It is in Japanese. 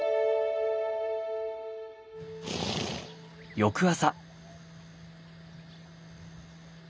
翌朝。